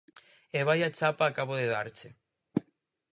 E vaia chapa acabo de darche.